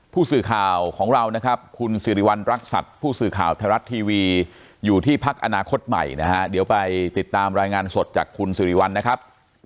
ผู้สื่อข่าวของเรานะครับคุณสิริวัณรักษัตริย์ผู้สื่อข่าวไทยรัฐทีวีอยู่ที่พักอนาคตใหม่นะฮะเดี๋ยวไปติดตามรายงานสดจากคุณสิริวัลนะครับ